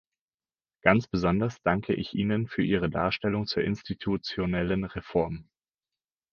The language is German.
Ganz besonders danke ich Ihnen für Ihre Darstellung zur institutionellen Reform.